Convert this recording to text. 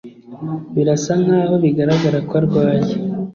birasa nkaho bigaragara ko arwaye